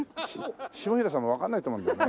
下平さんもわかんないと思うんだよね。